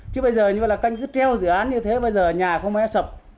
chứ bây giờ như vậy là các anh cứ treo dự án như thế bây giờ nhà không phải sập